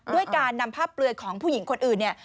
ด้วยการนำภาพเปลือยของผู้หญิงคนอื่นเนี่ย